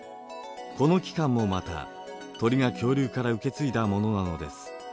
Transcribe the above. この器官もまた鳥が恐竜から受け継いだものなのです。